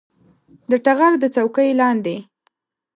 د ټغر د څوکې لاندې